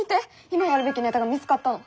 今やるべきネタが見つかったの。